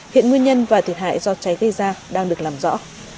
hiện nguyên nhân và thiệt hại do cháy gây ra đang được làm rõ